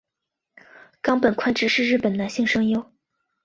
冈本宽志是日本男性声优。